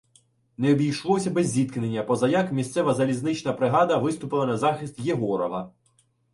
Не обійшлося без зіткнення, позаяк місцева залізнична бригада виступила на захист Єгорова.